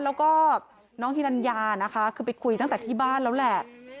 แล้วก็น้องฮิรัญญานะคะคือไปคุยตั้งแต่ที่บ้านแล้วแหละ